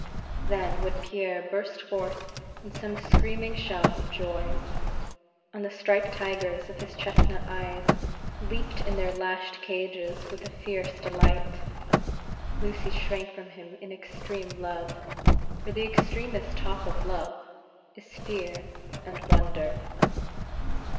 Then would Pierre burst forth in some screaming shout of joy; and the striped tigers of his chestnut eyes leaped in their lashed cages with a fierce delight. Lucy shrank from him in extreme love; for the extremest top of love, is Fear and Wonder.